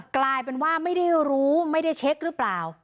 กลายเป็นว่าไม่ได้รู้ไม่ได้เช็คหรือเปล่า